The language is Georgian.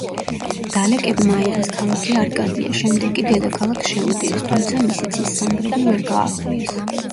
დალეკებმა აიღეს ქალაქი არკადია, შემდეგ კი დედაქალაქს შეუტიეს, თუმცა მისი ცის სანგრები ვერ გაარღვიეს.